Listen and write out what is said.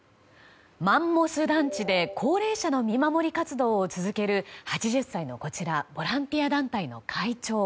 マンモス団地で高齢者の見守り活動を続ける８０歳のボランティア団体の会長。